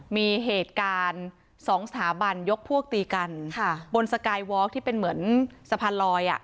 มีเหตุการณ์สองสถาบันยกพวกตีกันบนสกายวอล์กที่เป็นเหมือนสะพานลอย